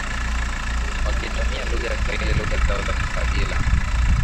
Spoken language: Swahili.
wakitumia lugha ya kiswahili lugha zao za kikabila